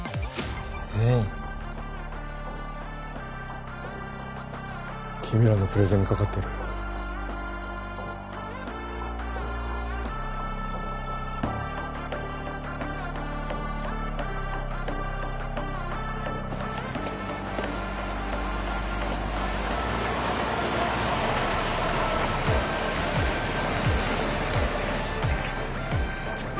全員君らのプレゼンにかかっているえ